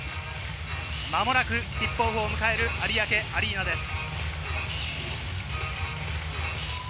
間もなくティップオフを迎える有明アリーナです。